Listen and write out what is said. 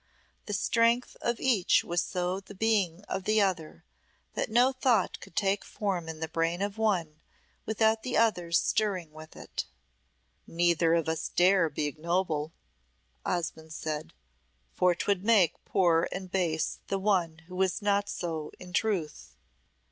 The strength of each was so the being of the other that no thought could take form in the brain of one without the other's stirring with it. "Neither of us dare be ignoble," Osmonde said, "for 'twould make poor and base the one who was not so in truth."